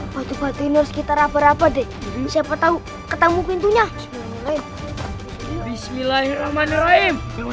batu batu ini harus kita raba raba deh siapa tahu ketemu pintunya bismillahirrahmanirrahim